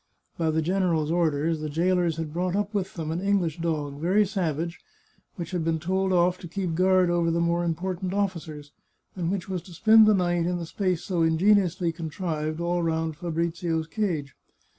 By the general's orders, the jailers had brought up with them an English dog, very savage, which had been told off to keep guard over the more important officers, and which was to spend the night in the space so ingeniously contrived all round Fabrizio's cage.